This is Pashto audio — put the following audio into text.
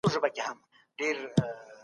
مڼه خوړل انسان له ډاکټر څخه بې غمه کوي.